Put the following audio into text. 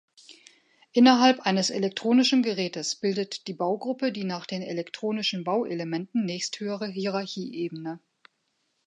Innerhalb eines elektronischen Gerätes bildet die Baugruppe die nach den elektronischen Bauelementen nächsthöhere Hierarchieebene.